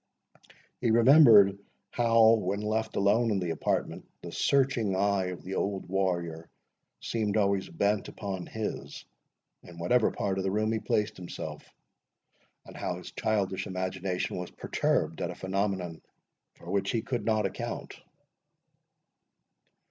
He remembered how, when left alone in the apartment, the searching eye of the old warrior seemed always bent upon his, in whatever part of the room he placed himself, and how his childish imagination was perturbed at a phenomenon, for which he could not account.